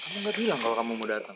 kamu gak bilang kalau kamu mau dateng